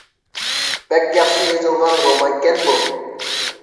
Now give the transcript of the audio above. بەك ياخشى يېزىلغان رومانكەن بۇ!